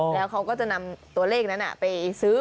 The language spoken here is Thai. แล้วเขาก็จะนำตัวเลขนั้นไปซื้อ